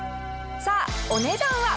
さあお値段は。